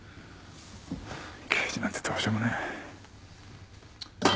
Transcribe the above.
刑事なんてどうしようもない。